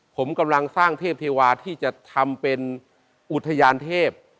ผมกำลังสร้างเทพเทวาที่จะทำเป็นอุทยานเทพ